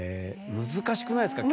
難しくないですか？